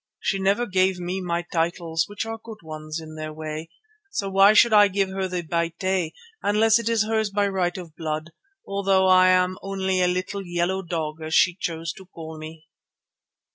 She never gave me my titles, which are good ones in their way, so why should I give her the Bayéte, unless it is hers by right of blood, although I am only a little 'yellow dog' as she chose to call me?"